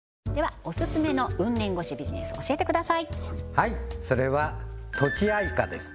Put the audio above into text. はいそれはとちあいか？